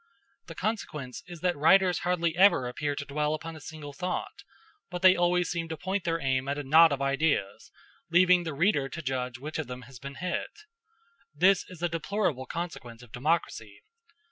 The consequence is that writers hardly ever appear to dwell upon a single thought, but they always seem to point their aim at a knot of ideas, leaving the reader to judge which of them has been hit. This is a deplorable consequence of democracy.